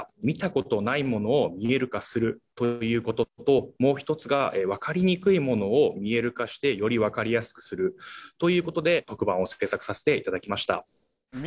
見たことないものを見える化するということともう一つがわかりにくいものを見える化してよりわかりやすくするということで特番を制作させていただきました。